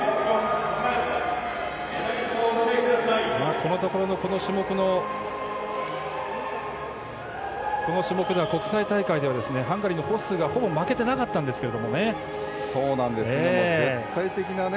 このところこの種目では国際大会ではハンガリーのホッスーがほぼ負けてなかったんですけどもね。